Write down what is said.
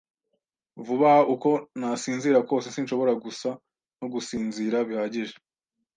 Vuba aha, uko nasinzira kose, sinshobora gusa no gusinzira bihagije.